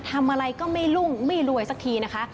ทำอะไรก็ไม่รุ่งไม่รวยสักทีนะคะ